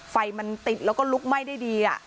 ไฟมันติดแล้วก็ลุกไหม้ได้ดี